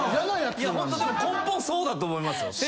根本そうだと思いますよ。